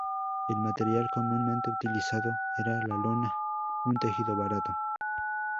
El material comúnmente utilizado era la lona, un tejido barato.